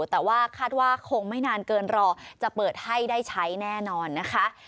แต่ว่าคาดว่าคงไม่นานเกินรอจะเปิดให้ได้ใช้แน่นอนนะคะ